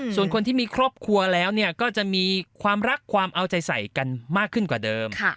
ส่วนคนที่มีครอบครัวแล้วก็จะมีความรักความเอาใจใส่กันมากขึ้นกว่าเดิม